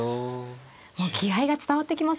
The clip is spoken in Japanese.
もう気合いが伝わってきますよね。